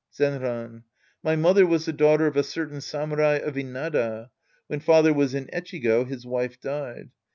Zenran. My mother was the daughter of a certain samurai of Inada. When father was in Echigo, his wife died.